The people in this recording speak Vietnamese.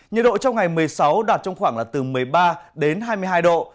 nhiệt độ trong ngày một mươi sáu đạt trong khoảng là từ một mươi ba đến hai mươi hai độ